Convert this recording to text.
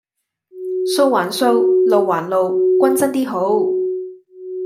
數還數；路還路，均真 D 好